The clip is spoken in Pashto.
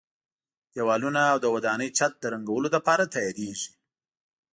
دېوالونه او د ودانۍ چت د رنګولو لپاره تیاریږي.